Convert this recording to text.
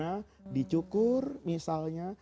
yang berjukur misalnya